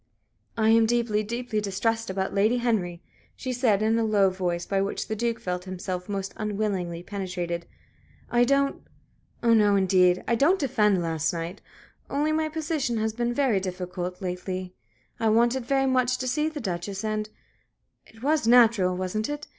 "I am deeply, deeply distressed about Lady Henry," she said, in a low voice, by which the Duke felt himself most unwillingly penetrated. "I don't oh no, indeed, I don't defend last night. Only my position has been very difficult lately. I wanted very much to see the Duchess and it was natural wasn't it?